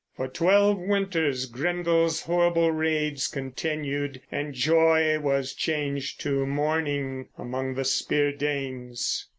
For twelve winters Grendel's horrible raids continued, and joy was changed to mourning among the Spear Danes.